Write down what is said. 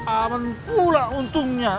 aman pula untungnya